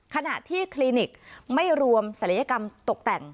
ขณะที่คลินิกไม่รวมศัลยกรรมตกแต่ง